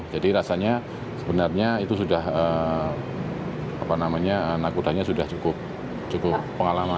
jadi rasanya sebenarnya itu sudah apa namanya nakodanya sudah cukup pengalaman